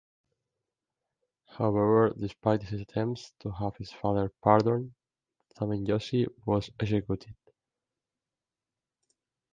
However, despite his attempts to have his father pardoned, Tameyoshi was executed.